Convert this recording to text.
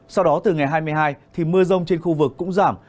sau đó từ ngày hai mươi hai thì mưa rông trên khu vực cũng giảm